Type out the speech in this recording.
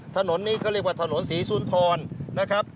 ถนนนี้ก็เรียกว่าถนนศรีศูนย์ธรรมนะครับ